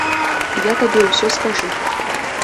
Я табе ўсё скажу.